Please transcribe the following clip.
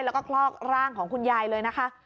แล้วก็คลอกร่างของคุณยายเลยนะคะ